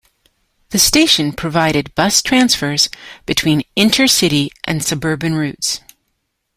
The station provided bus transfers between inter-city and suburban routes.